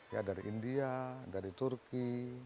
ya dari india dari turki